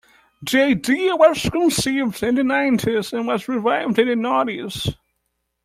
The idea was conceived in the nineties and was revived in the naughties.